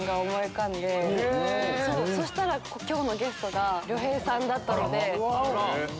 そしたら今日のゲストが亮平さんだったので。